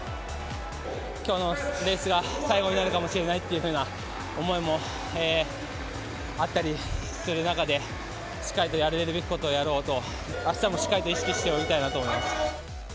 きょうのレースが最後になるかもしれないっていうふうな思いもあったりする中で、しっかりとやるべきことをやろうと、あしたもしっかりと意識して泳ぎたいなと思います。